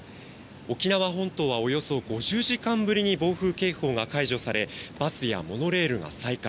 沖縄本島はおよそ５０時間ぶりに暴風警報が解除されバスやモノレールが再開。